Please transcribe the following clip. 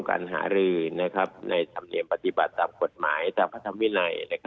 การหารือในธรรมเนียมปฏิบัติตามกฎหมายตามพระธรรมวินัย